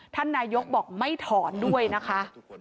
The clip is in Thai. ท่านนายกบอกไม่ถอนด้วยนะคะ